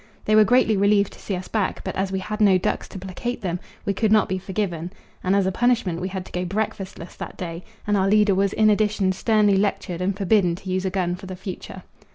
They were greatly relieved to see us back, but as we had no ducks to placate them we could not be forgiven, and as a punishment we had to go breakfastless that day, and our leader was in addition sternly lectured and forbidden to use a gun for the future.